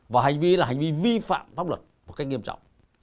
và hành vi là hành vi vi phạm pháp luật một cách nghiêm trọng